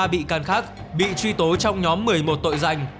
hai trăm năm mươi ba bị can khác bị truy tố trong nhóm một mươi một tội danh